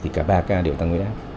thì cả ba ca đều tăng huyết áp